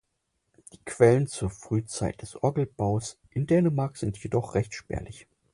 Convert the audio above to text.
Die Quellen zur Frühzeit des Orgelbaus in Dänemark sind jedoch recht spärlich.